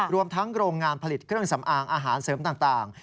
รวมทั้งโรงงานผลิตเครื่องสำอางอาหารเสริมต่าง